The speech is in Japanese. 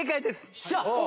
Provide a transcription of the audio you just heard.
よっしゃー！